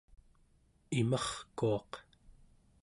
imarkuaq